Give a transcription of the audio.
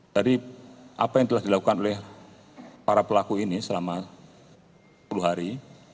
tadi apa yang telah dilakukan oleh para pelaku ini selama sepuluh hari